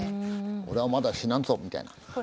「俺はまだ死なんぞ」みたいな。